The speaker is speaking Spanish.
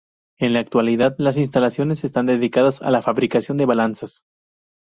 En la actualidad, las instalaciones están dedicadas a la fabricación de balanzas.